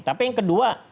tapi yang kedua